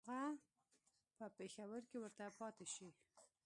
هغه به په پېښور کې ورته پاته شي.